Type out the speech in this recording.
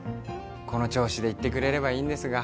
この調子でいってくれればいいんですが。